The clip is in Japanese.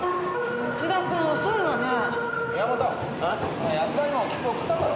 お前安田にも切符送ったんだろ？